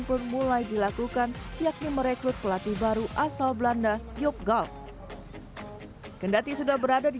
pun mulai dilakukan yakni merekrut pelatih baru asal belanda yogal kendati sudah berada di